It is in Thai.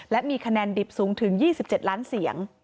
และมีคะแนนดิบสูงถึง๒๗ล้านเสียง